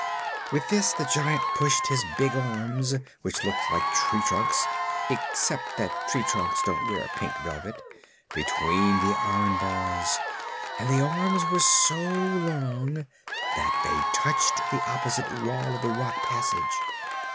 With this the Giant pushed his big arms, which looked like tree trunks (except that tree trunks don't wear pink velvet) between the iron bars, and the arms were so long that they touched the opposite wall of the rock passage.